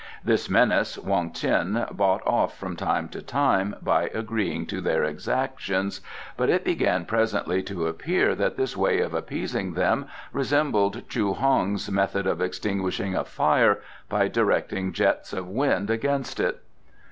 This menace Wong Ts'in bought off from time to time by agreeing to their exactions, but it began presently to appear that this way of appeasing them resembled Chou Hong's method of extinguishing a fire by directing jets of wind against it.